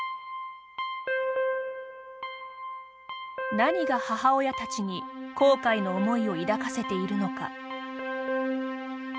何が母親たちに後悔の思いを抱かせているのか。